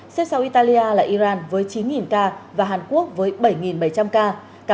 xếp sau italia là iran với chín ca và hàn quốc với bảy bảy trăm linh ca